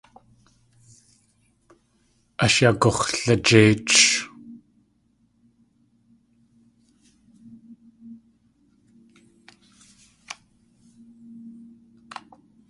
Ash yagux̲lajéich.